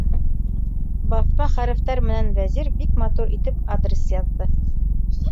Баҫма хәрефтәр менән Вәзир бик матур итеп адрес яҙҙы.